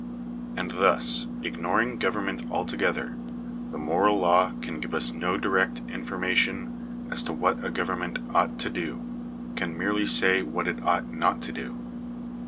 And i thus, ignoring government altogether, the moral law can give us : no direct information as to what a government ought to do — I can merely say what it ought not to do.